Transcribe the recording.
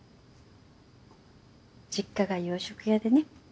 実家が洋食屋でね。